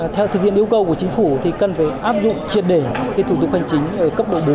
theo thực hiện yêu cầu của chính phủ thì cần phải áp dụng triệt để thủ tục hành chính ở cấp độ bốn